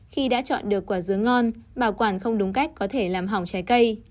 khi đã chọn được quả dứa ngon bảo quản không đúng cách có thể làm hỏng trái cây